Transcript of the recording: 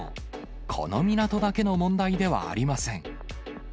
この港だけの問題ではありません。